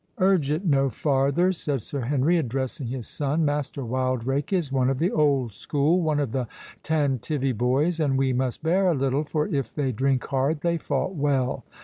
'" "Urge it no farther," said Sir Henry, addressing his son; "Master Wildrake is one of the old school—one of the tantivy boys; and we must bear a little, for if they drink hard they fought well.